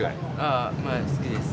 あまあ好きです。